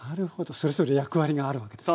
それぞれ役割があるわけですね。